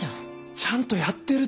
ちゃんとやってるって。